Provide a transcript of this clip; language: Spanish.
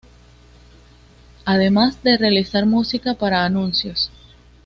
Además de realizar música para anuncios.